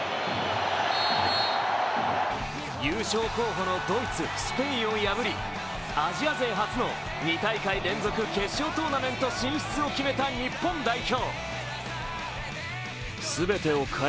優勝候補のドイツスペインを破りアジア勢初の２大会連続決勝トーナメント進出を決めた日本代表。